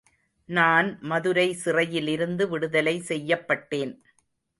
நான் மதுரை சிறையிலிருந்து விடுதலை செய்யப்பட்டேன்.